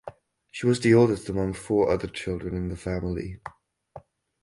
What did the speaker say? She was the oldest among four other children in the family.